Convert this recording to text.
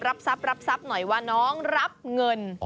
รับทรัพย์หน่อยว่าน้องรับเงิน